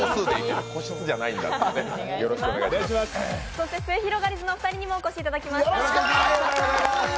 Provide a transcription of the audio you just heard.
そしてすゑひろがりずのお二人にもお越しいただきました。